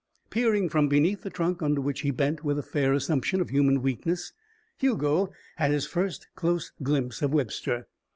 Peering from beneath the trunk under which he bent with a fair assumption of human weakness, Hugo had his first close glimpse of Webster.